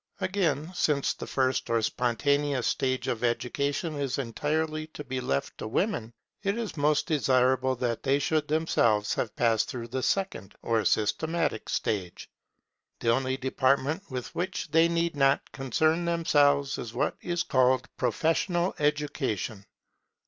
Again, since the first or spontaneous stage of education is entirely to be left to women, it is most desirable that they should themselves have passed through the second or systematic stage. The only department with which they need not concern themselves, is what is called professional education.